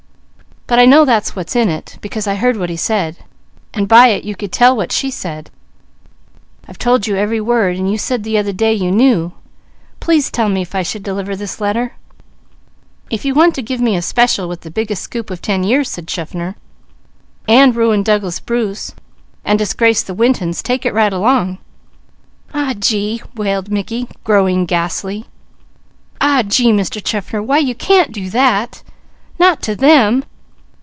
"But I know that's what's in it, because I heard what he said, and by it you could tell what she said. I've told you every word, and you said the other day you knew; please tell me if I should deliver this letter?" "If you want to give me a special with the biggest scoop of ten years," said Chaffner, "and ruin Douglas Bruce and disgrace the Wintons, take it right along." "Aw gee!" wailed Mickey, growing ghastly. "Aw gee, Mr. Chaffner! Why you can't do that! Not to _them!